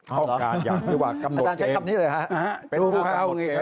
อ๋อหรออาจารย์ใช้คำนี้เลยฮะโชว์เภา